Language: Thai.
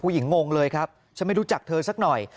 หญิงงงเลยครับฉันไม่รู้จักเธอสักหน่อย